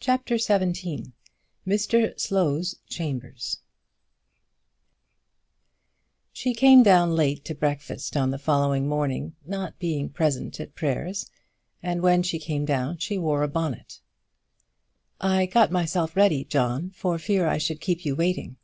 CHAPTER XVII Mr Slow's Chambers She came down late to breakfast on the following morning, not being present at prayers, and when she came down she wore a bonnet. "I got myself ready, John, for fear I should keep you waiting."